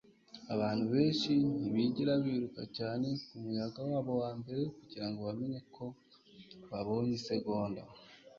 abantu benshi ntibigera biruka cyane kumuyaga wabo wa mbere kugirango bamenye ko babonye isegonda